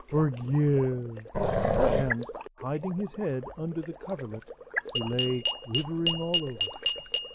forgive!" and hiding his head under the coverlet, he lay quivering all over.